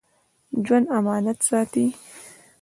ژوندي امانت ساتي